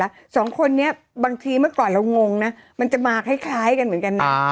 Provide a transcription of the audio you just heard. สองคนนี้บางทีเมื่อก่อนเรางงนะมันจะมาคล้ายกันเหมือนกันนะ